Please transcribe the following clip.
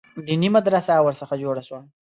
دیني مدرسه ورڅخه جوړه سوه.